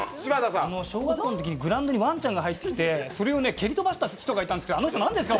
小学校のときにグラウンドにワンちゃんが入ってきてそれを蹴り飛ばした人がいたんですけど、あの人なんなんですか。